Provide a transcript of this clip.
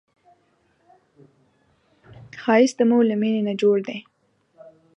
ښایست د مور له مینې نه جوړ دی